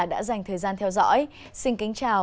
đã dành thời gian theo dõi xin kính chào